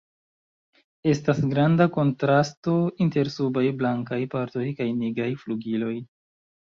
Estas granda kontrasto inter subaj blankaj partoj kaj nigraj flugiloj.